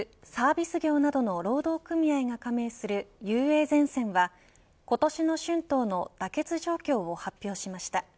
繊維、流通、サービス業などの労働組合が加盟するＵＡゼンセンは今年の春闘の妥結状況を発表しました。